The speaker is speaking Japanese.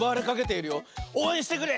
おうえんしてくれ！